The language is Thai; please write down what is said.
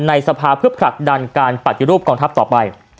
ในสภาเพื่อผลักดันการปฏิรูปกองทัพต่อไป